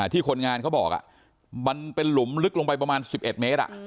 ที่คนงานเขาบอกมันเป็นหลุมลึกลงไปประมาณ๑๑เมตร